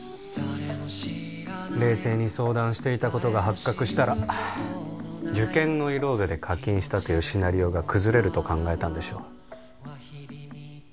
冷静に相談していたことが発覚したら受験ノイローゼで課金したというシナリオが崩れると考えたんでしょう